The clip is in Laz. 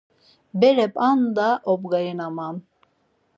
Bere p̌anda omgarinapan.